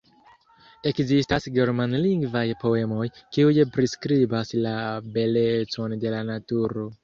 Ekzistas germanlingvaj poemoj, kiuj priskribas la belecon de la naturo.